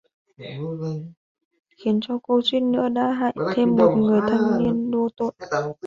Khiến cho cô suýt nữa đã hại thêm một người thanh niên vô tội